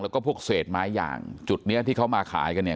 แล้วก็พวกเศษไม้อย่างจุดเนี้ยที่เขามาขายกันเนี่ย